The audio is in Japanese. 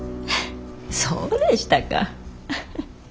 そうでしたか。